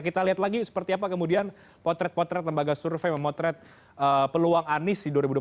kita lihat lagi seperti apa kemudian potret potret lembaga survei memotret peluang anies di dua ribu dua puluh empat